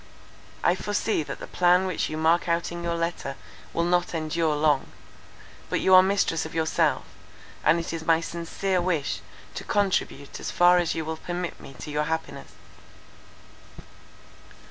I foresee that the plan which you mark out in your letter will not endure long; but you are mistress of yourself, and it is my sincere wish to contribute as far as you will permit me to your happiness."